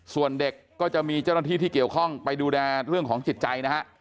ส่วนเด็กก็จะมีเจ้าหน้าที่ที่เกี่ยวข้องไปดูแลเรื่องของจิตใจนะฮะ